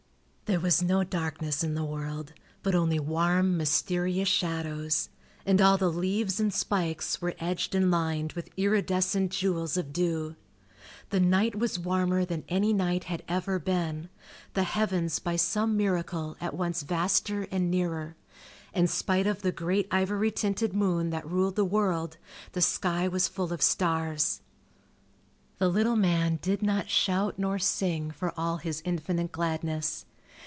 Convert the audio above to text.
There was no darkness in the world, but only warm, mysterious shadows; and all the leaves and spikes were edged and lined with iridescent jewels of dew. The night was warmer than any night had ever been, the heavens by some miracle at once vaster and nearer, and spite of the great ivory tinted moon that ruled the world, the sky was full of stars. The little man did not shout nor sing for all his infinite gladness.